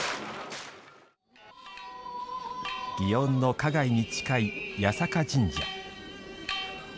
祇園の花街に近い八坂神社。